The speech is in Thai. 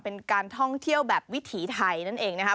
เป็นการท่องเที่ยวแบบวิถีไทยนั่นเองนะครับ